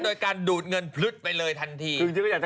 โดยการดูดเงินพลึดไปเลยทันที